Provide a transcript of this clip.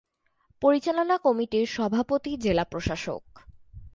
পরিচালনা কমিটির সভাপতি জেলা প্রশাসক।